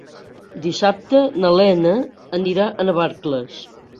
Dissabte na Lena anirà a Navarcles.